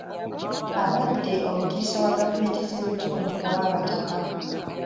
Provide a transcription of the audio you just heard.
Abadde omukiise wa gavumenti z'ebitundu ow'abataka.